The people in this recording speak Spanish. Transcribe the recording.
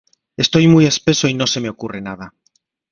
Estoy muy espeso y no se me ocurre nada